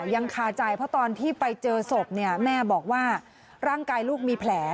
ยังคาใจเพราะตอนที่ไปเจอศพเนี่ยแม่บอกว่าร่างกายลูกมีแผล